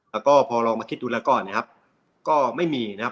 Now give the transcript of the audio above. แล้วก็พอลองมาคิดดูแล้วก่อนนะครับก็ไม่มีนะครับ